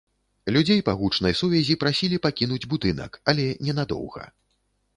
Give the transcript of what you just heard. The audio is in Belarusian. Людзей па гучнай сувязі прасілі пакінуць будынак, але ненадоўга.